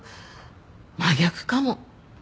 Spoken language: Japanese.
真逆かも。